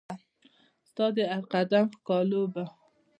ستا د هرقدم ښکالو به